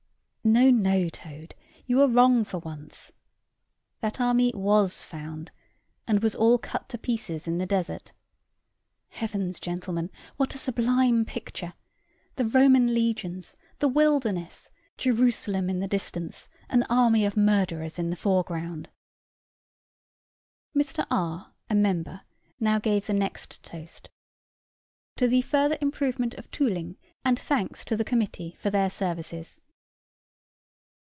"No, no, Toad you are wrong for once: that army was found, and was all cut to pieces in the desert. Heavens, gentlemen, what a sublime picture! The Roman legions the wilderness Jerusalem in the distance an army of murderers in the foreground!" Mr. R., a member, now gave the next toast "To the further improvement of Tooling, and thanks to the Committee for their services."